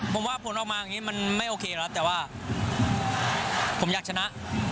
ผมว่าผลออกมาอย่างนี้มันไม่โอเคแล้วแต่ว่าผมอยากชนะ